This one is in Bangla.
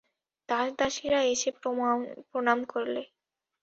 দাসদাসীরা এসে প্রণাম করলে।